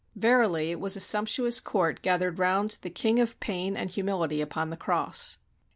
Verily, it was a sumptuous court gathered round the King of Pain and Humihty upon the cross.